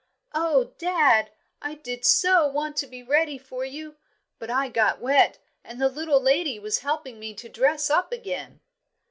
"Oh, dad, I did so want to be ready for you, but I got wet and the little lady was helping me to dress up again."